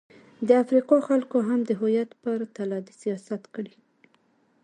د افریقا خلکو هم د هویت پر تله د سیاست کړې.